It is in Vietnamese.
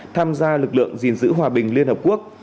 tham gia lực lượng gìn giữ hòa bình liên hợp quốc